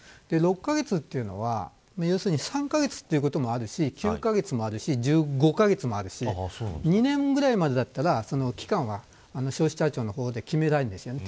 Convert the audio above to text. ６カ月というのは要するに３カ月ということもあるし９カ月もあるし１５カ月もあるし２年ぐらいまでだったら期間は消費者庁の方で決められるんですよね。